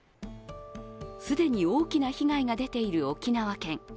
既に大きな被害が出ている沖縄県。